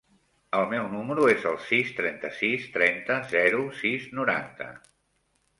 El meu número es el sis, trenta-sis, trenta, zero, sis, noranta.